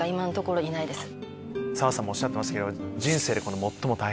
澤さんもおっしゃってましたけど。